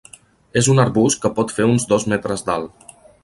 És un arbust que pot fer uns dos metres d'alt.